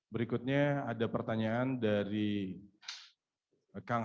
berikutnya ada pertanyaan dari kang